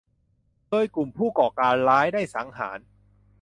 โดยกลุ่มผู้ก่อการร้ายได้สังหาร